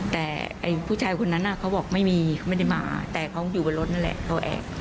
แต่ผู้ชายคนนั้นเขาบอกไม่มีเขาไม่ได้มาแต่เขาอยู่บนรถนั่นแหละเขาแอบ